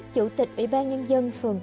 chủ tịch ủy ban nhân dân phường tám